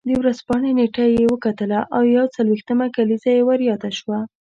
د ورځپاڼې نېټه یې وکتله او یو څلوېښتمه کلیزه یې ور یاده شوه.